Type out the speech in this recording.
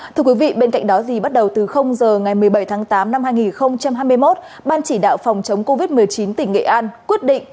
thưa quý vị bên cạnh đó thì bắt đầu từ giờ ngày một mươi bảy tháng tám năm hai nghìn hai mươi một ban chỉ đạo phòng chống covid một mươi chín tỉnh nghệ an quyết định